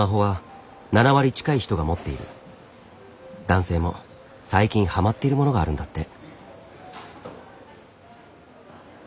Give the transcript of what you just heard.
男性も最近ハマっているものがあるんだって。